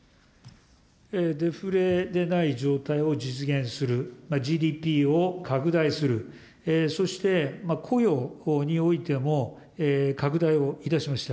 デフレでない状態を実現する、ＧＤＰを拡大する、そして、雇用においても拡大をいたしました。